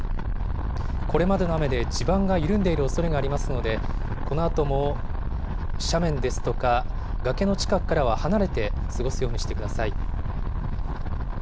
これまでの雨で地盤が緩んでいるおそれもありますので、このあとも斜面ですとか、崖の近くからは離れて過ごすようにしてください。